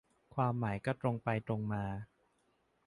ความหมายก็ตรงไปตรงมา